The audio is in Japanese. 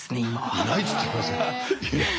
いないって言ってますよ。